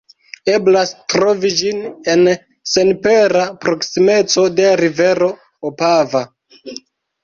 Eblas trovi ĝin en senpera proksimeco de rivero Opava.